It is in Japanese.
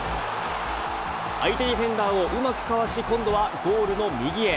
相手ディフェンダーをうまくかわし、今度はゴールの右へ。